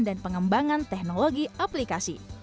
dan pengembangan teknologi aplikasi